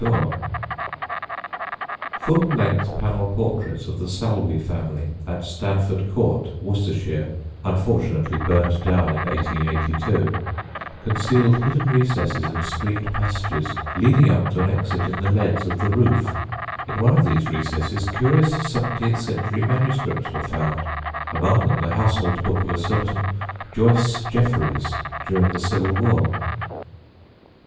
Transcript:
JOHN'S HOSPITAL, WARWICK] Full length panel portraits of the Salwey family at Stanford Court, Worcestershire (unfortunately burned down in 1882), concealed hidden recesses and screened passages leading up to an exit in the leads of the roof. In one of these recesses curious seventeenth century manuscripts were found, among them, the household book of a certain "Joyce Jeffereys" during the Civil War.